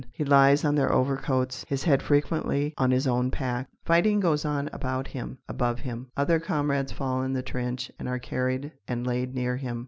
He lies on their overcoats, his head frequently on his own pack. Fighting goes on about him, above him. Other comrades fall in the trench and are carried and laid near him.